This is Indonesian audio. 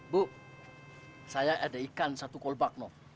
bu saya ada ikan satu kolbag no